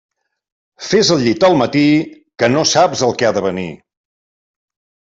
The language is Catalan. Fes el llit al matí, que no saps el que ha de venir.